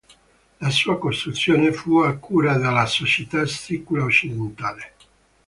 La sua costruzione fu a cura della "Società Sicula Occidentale".